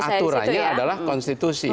karena aturannya adalah konstitusi